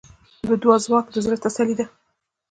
د دعا ځواک د زړۀ تسلي ده.